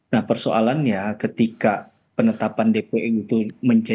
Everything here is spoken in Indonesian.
nah persoalannya ketika penetapan dpo itu mencari